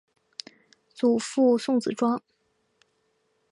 祖父朱子庄。